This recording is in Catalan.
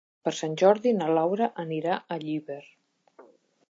Per Sant Jordi na Laura anirà a Llíber.